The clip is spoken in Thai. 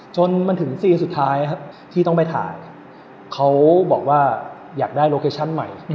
จนมันถึงซีนสุดท้ายครับที่ต้องไปถ่ายเขาบอกว่าอยากได้โลเคชั่นใหม่